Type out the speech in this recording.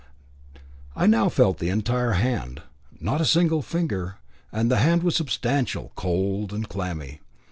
I now felt the entire hand, not a single finger, and the hand was substantial, cold, and clammy.